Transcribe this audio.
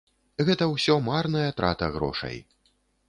Гэта ўсё марная трата грошай.